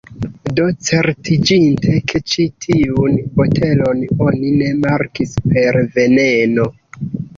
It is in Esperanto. Do, certiĝinte ke ĉi tiun botelon oni ne markis per 'veneno'